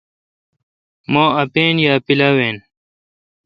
مہ اپین یا پیلاوین۔